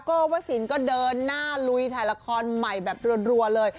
้วสินก็เดินหน้าลุยถ่ายละครใหม่แบบรัวเลย